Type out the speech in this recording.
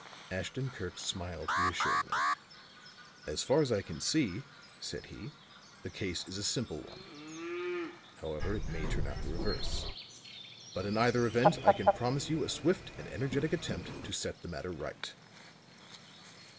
Ashton Kirk smiled reassuringly. "As far as I can see," said he, "the case is a simple one. However, it may turn out the reverse. But in either event I can promise you a swift and energetic attempt to set the matter right."